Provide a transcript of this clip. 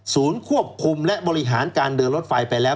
ควบคุมและบริหารการเดินรถไฟไปแล้ว